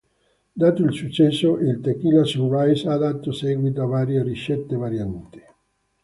Dato il successo, il Tequila Sunrise ha dato seguito a varie ricette varianti.